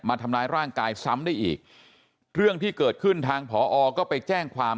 มาทำร้ายร่างกายซ้ำได้อีกเรื่องที่เกิดขึ้นทางผอก็ไปแจ้งความ